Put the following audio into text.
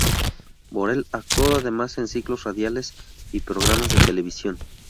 Borel actuó además en ciclos radiales y programas de televisión.